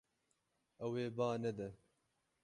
Ew ê ba nede.